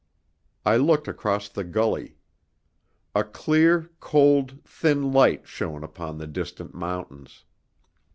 I looked across the gully. A clear, cold, thin light shone upon the distant mountains.